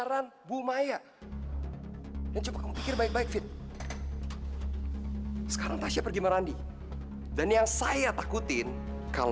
sampai jumpa di video selanjutnya